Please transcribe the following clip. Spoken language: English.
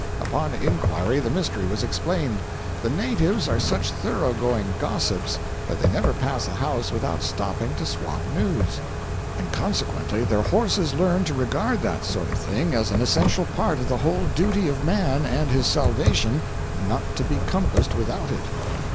Upon inquiry the mystery was explained: the natives are such thorough going gossips that they never pass a house without stopping to swap news, and consequently their horses learn to regard that sort of thing as an essential part of the whole duty of man, and his salvation not to be compassed without it.